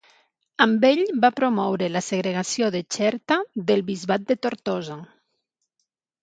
Amb ell va promoure la segregació de Xerta del bisbat de Tortosa.